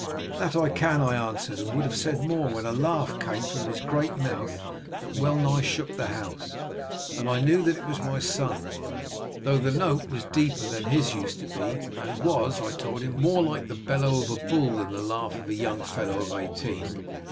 "'That can I,' I answered, and would have said more, when a laugh came from his great mouth that well nigh shook the house, and I knew that it was my son, though the note was deeper than his used to be, and was, as I told him, more like the bellow of a bull than the laugh of a young fellow of eighteen.